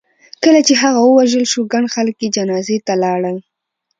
کله چې هغه ووژل شو ګڼ خلک یې جنازې ته لاړل.